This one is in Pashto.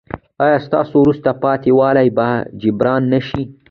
ایا ستاسو وروسته پاتې والی به جبران نه شي؟